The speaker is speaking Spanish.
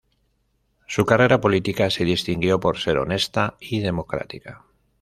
Su carrera política se distinguió por ser honesta y democrática.